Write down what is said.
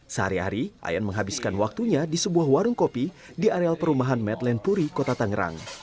sehari hari ayan menghabiskan waktunya di sebuah warung kopi di areal perumahan medland puri kota tangerang